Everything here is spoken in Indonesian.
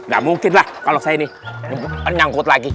gak mungkin lah kalau saya ini nyangkut lagi